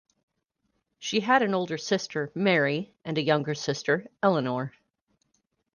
She had an older sister, Mary, and a younger sister, Eleanor.